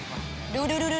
udah udah udah